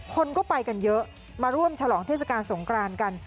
คนก็ไปกันเยอะมาร่วมฉลองเทศกาลสงครานกัน